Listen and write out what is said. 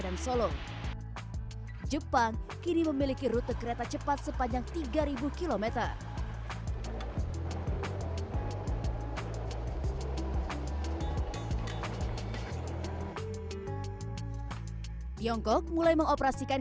dalam tiga tahun pertama pt kcic akan mengoperasikan